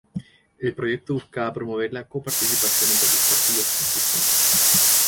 El proyecto buscaba promover la coparticipación entre los partidos existentes.